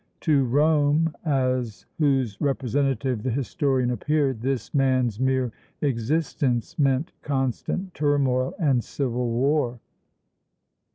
To Rome, as whose representative the historian appeared, this man's mere existence meant constant turmoil and civil war.